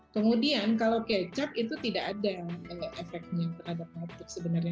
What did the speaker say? kemudian kalau kecap itu tidak ada efeknya terhadap batuk sebenarnya